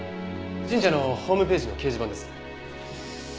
神社のホームページの掲示板です。